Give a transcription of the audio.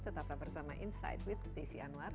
tetaplah bersama insight with desi anwar